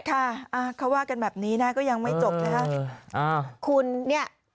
ค่ะเขาว่ากันแบบนี้นะก็ยังไม่จบนะครับ